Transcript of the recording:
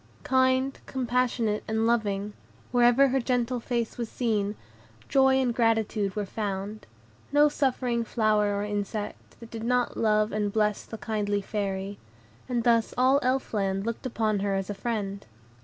Kind, compassionate, and loving, wherever her gentle face was seen, joy and gratitude were found; no suffering flower or insect, that did not love and bless the kindly Fairy; and thus all Elf Land looked upon her as a friend.